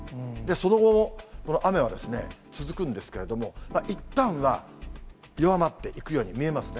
その後も、雨は続くんですけれども、いったんは弱まっていくように見えますね。